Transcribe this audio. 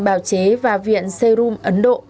bào chế và viện serum ấn độ